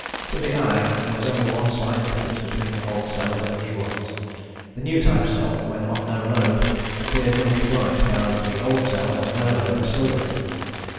To the eye there was only one slight difference between the old cells and the new ones. The new type cell, when on no load, appeared milky white, whereas the old cells on no load were silvery.